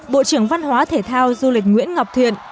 bộ trưởng văn hóa thể thao du lịch nguyễn ngọc thiện